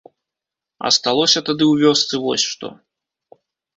Асталося тады ў вёсцы вось што.